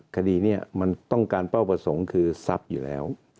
คดีนี้มันต้องการเป้าประสงค์คือทรัพย์อยู่แล้ว